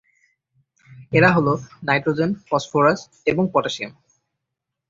এরা হলো:নাইট্রোজেন, ফসফরাস এবং পটাসিয়াম।